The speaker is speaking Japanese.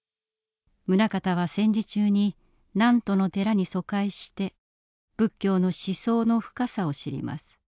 棟方は戦時中に南砺の寺に疎開して仏教の思想の深さを知ります。